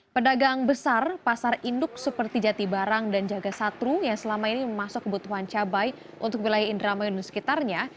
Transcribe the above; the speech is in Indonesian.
pedagang besar pasar induk seperti jati barang dan jaga satru yang selama ini memasuk kebutuhan cabai untuk wilayah indramayun dan sekitarnya